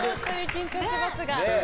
緊張しますが。